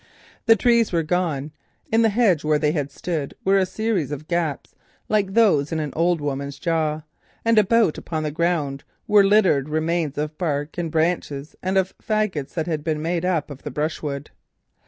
The trees were gone. In the hedge where they had grown were a series of gaps like those in an old woman's jaw, and the ground was still littered with remains of bark and branches and of faggots that had been made up from the brushwood.